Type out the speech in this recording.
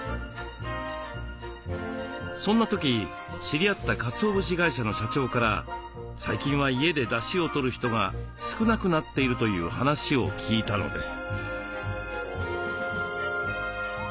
そんな時知り合ったかつお節会社の社長から最近は家でだしをとる人が少なくなっているという話を聞いたのです。